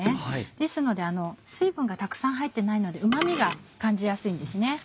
ですので水分がたくさん入ってないのでうま味が感じやすいんですね。